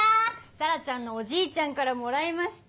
紗良ちゃんのおじいちゃんからもらいました。